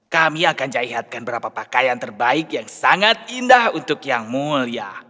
kami akan jahiatkan berapa pakaian terbaik yang sangat indah untuk yang mulia